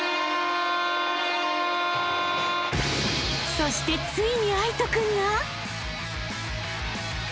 ［そしてついに藍仁君が］